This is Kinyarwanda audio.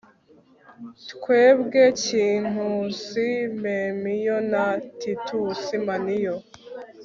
twebwe, kintusi memiyo na titusi maniyo